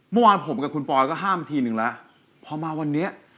เมื่อวานผมกับคุณปอยก็ห้ามทีนึงแล้วพอมาวันนี้